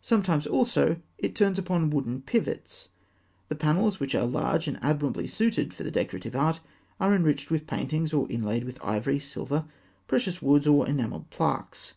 Sometimes, also, it turns upon wooden pivots (fig. 260). The panels, which are large and admirably suited for decorative art, are enriched with paintings, or inlaid with ivory, silver, precious woods, or enamelled plaques.